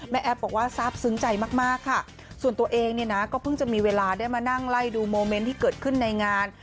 แอฟบอกว่าทราบซึ้งใจมากมากค่ะส่วนตัวเองเนี่ยนะก็เพิ่งจะมีเวลาได้มานั่งไล่ดูโมเมนต์ที่เกิดขึ้นในงาน